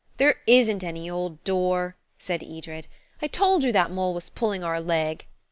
"There isn't any old door," said Edred. "I told you that mole was pulling our leg."